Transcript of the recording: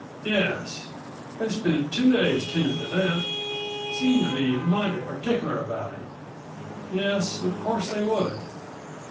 "Yes. They spent two days tending to that; seemed to be mighty particular about it." "Yes, of course they would."